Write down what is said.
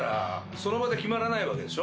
その場で決まらないわけでしょ？